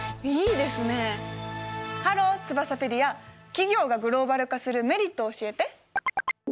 企業がグローバル化するメリットを教えて！